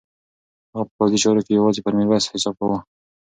هغه په پوځي چارو کې یوازې پر میرویس حساب کاوه.